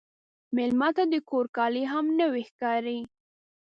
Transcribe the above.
مېلمه ته د کور کالي هم نوی ښکاري.